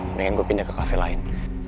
mendingan gue pindah ke kafe lain